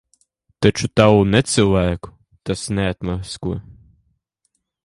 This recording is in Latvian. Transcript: Taču tavu necilvēku tas neatmasko.